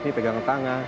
ini pegangan tangan